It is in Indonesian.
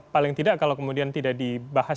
paling tidak kalau kemudian tidak dibahas